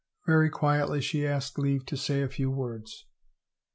Very quietly she asked leave to say a few words.